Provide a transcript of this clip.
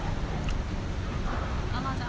เบอร์อะไรหรอกเขาก็มีโทรกิ้งเดี๋ยวก็ได้ถ้าเขาติดต่อเรา